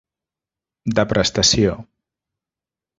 De prestació: